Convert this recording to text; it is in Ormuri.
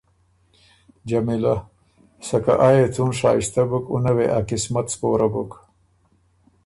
جمیلۀ: سکه آ يې څُون شائستۀ بُک اُنه وې ا قسمت سپوره بُک۔